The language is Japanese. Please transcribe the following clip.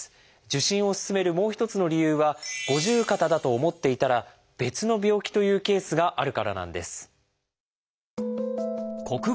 受診を勧めるもう一つの理由は五十肩だと思っていたら別の病気というケースがあるからなんです。